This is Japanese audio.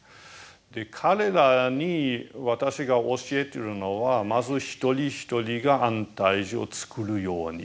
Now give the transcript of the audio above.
彼らに私が教えているのはまず一人一人が安泰寺を作るように。